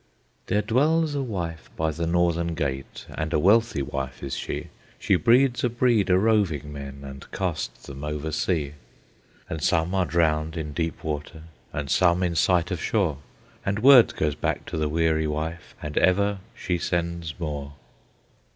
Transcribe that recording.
"There dwells a wife by the Northern Gate, And a wealthy wife is she; She breeds a breed o' rovin' men And casts them over sea. "And some are drowned in deep water, And some in sight of shore; And word goes back to the weary wife, And ever she sends more."